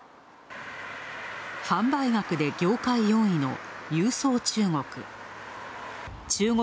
販売額で業界４位の融創中国。